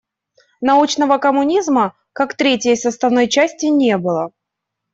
Научного коммунизма, как третьей составной части не было.